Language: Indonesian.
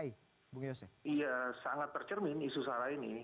iya sangat tercermin isu salah ini